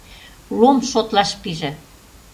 Лом шотлаш пиже: